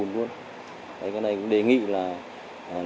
cái này cũng đề nghị là các mái đổ thải đổ khối lượng rất là lớn